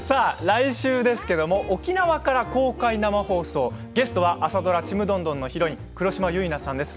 来週は沖縄から公開生放送ゲストは朝ドラ「ちむどんどん」のヒロイン黒島結菜さんです。